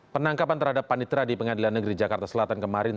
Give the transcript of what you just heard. penangkapan terhadap panitra di pengadilan negeri jakarta selatan kemarin